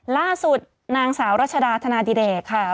ล่าสุดนางสาวรัชดาธนาดิเดชค่ะ